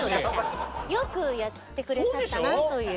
よくやって下さったなという。